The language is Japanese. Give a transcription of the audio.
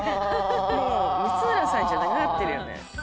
もう光浦さんじゃなくなってるよね。